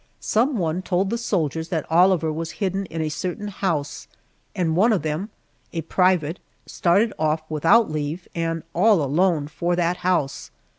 Some one told the soldiers that Oliver was hidden in a certain house, and one of them, a private, started off without leave, and all alone for that house.